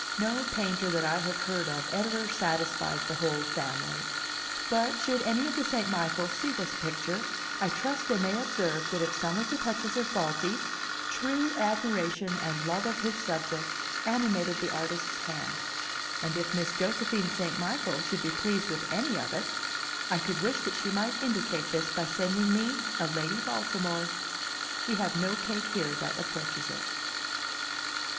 No painter that I have heard of ever satisfies the whole family. But, should any of the St. Michaels see this picture, I trust they may observe that if some of the touches are faulty, true admiration and love of his subject animated the artist's hand; and if Miss Josephine St. Michael should be pleased with any of it, I could wish that she might indicate this by sending me a Lady Baltimore; we have no cake here that approaches it.